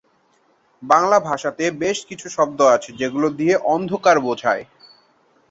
বাংলা ভাষাতে বেশ কিছু শব্দ আছে যেগুলো দিয়ে অন্ধকার বোঝায়।